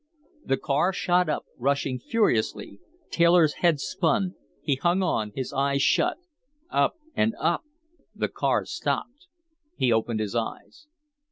The car shot up, rushing furiously. Taylor's head spun; he hung on, his eyes shut. Up and up.... The car stopped. He opened his eyes.